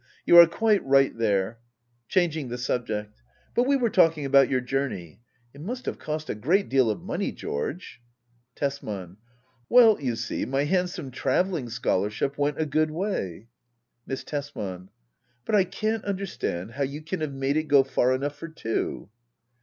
You are quite right there. [ChangiHgthe suhfect.] Butwe were talking about your journey. It must have cost a great deal of money, George ? Tbsman. Well, you see — my handsome travelling scholar ship went a good way. Miss Tbsman. But I can't understand how you can have made it go far enough for two.